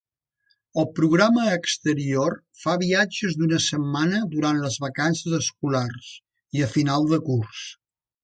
El programa exterior fa viatges d'una setmana durant les vacances escolars i a final de curs.